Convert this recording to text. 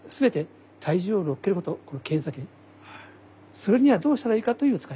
それにはどうしたらいいかという使い方。